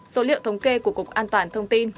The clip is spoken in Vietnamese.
số liệu thống kê của cục an toàn thông tin